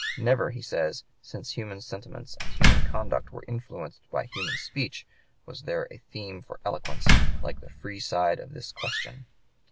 "Never," he says, "since human sentiments and human conduct were influenced by human speech was there a theme for eloquence like the free side of this question....